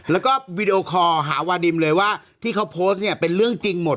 แล้วก็วีดีโอคอลหาวาดิมเลยว่าที่เขาโพสต์เนี่ยเป็นเรื่องจริงหมด